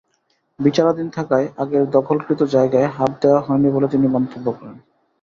বিচারাধীন থাকায় আগের দখলকৃত জায়গায় হাত দেওয়া হয়নি বলে তিনি মন্তব্য করেন।